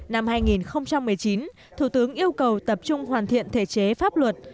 năm hai nghìn một mươi chín thủ tướng yêu cầu tập trung hoàn thiện thể chế pháp luật